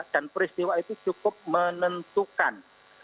dan peristiwa itu cukup menentukan